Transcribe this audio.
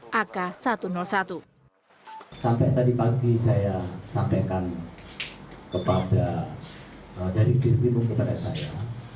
sampai tadi pagi saya sampaikan kepada dari diri bibung kepada saya